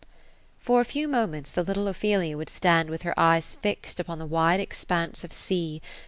For a few moments, the little Ophelia would stand with her eyes fixed upon the wide expanse of sea.